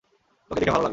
তোকে দেখে ভালো লাগলো।